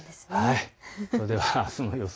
それではあすの予想